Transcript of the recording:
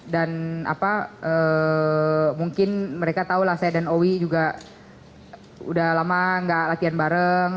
dan mungkin mereka tahu lah saya dan owi juga udah lama gak latihan bareng